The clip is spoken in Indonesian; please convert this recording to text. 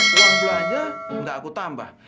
belum belanja gak aku tambah